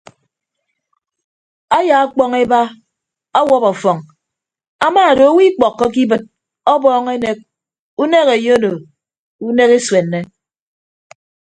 Aya ọkpọñ eba ọwọp afọñ ama odo owo ikpọkkọke ibịt ọbọọñ enek unek enye odo unek esuenne.